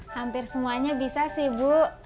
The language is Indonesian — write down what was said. hampir semuanya bisa sih bu